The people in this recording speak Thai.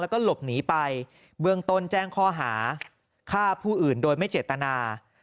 แล้วก็หลบหนีไปเบื้องต้นแจ้งข้อหาฆ่าผู้อื่นโดยไม่เจตนา